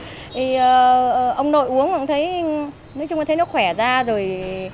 thì ông nội uống cũng thấy nói chung là thấy nó khỏe ra rồi